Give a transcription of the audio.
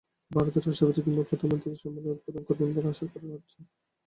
ভারতের রাষ্ট্রপতি কিংবা প্রধানমন্ত্রী এ সম্মেলনের উদ্বোধন করবেন বলে আশা করা হচ্ছে।